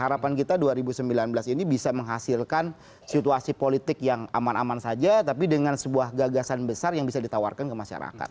harapan kita dua ribu sembilan belas ini bisa menghasilkan situasi politik yang aman aman saja tapi dengan sebuah gagasan besar yang bisa ditawarkan ke masyarakat